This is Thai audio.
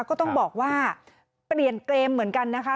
ก็ต้องบอกว่าเปลี่ยนเกมเหมือนกันนะคะ